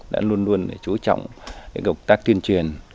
đã luôn luôn để chú trọng cái cộng tác tuyên truyền